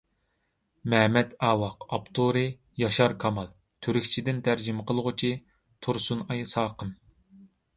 مەمەت ئاۋاق ئاپتورى: ياشار كامال تۈركچىدىن تەرجىمە قىلغۇچى: تۇرسۇنئاي ساقىم